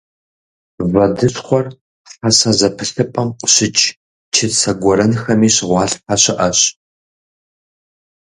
Вэдыщхъуэр хьэсэ зэпылъыпӏэм къыщыкӏ чыцэ гуэрэнхэми щыгъуалъхьэ щыӏэщ.